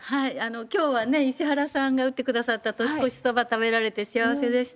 きょうは石原さんが打ってくださった年越しそば食べられて、幸せでした。